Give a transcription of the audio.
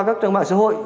các trang mạng xã hội